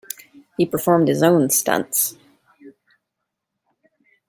He performed his own stunts.